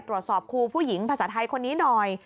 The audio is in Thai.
ตรวจสอบครูผู้หญิงภาษาไทยคนนี้หน่อย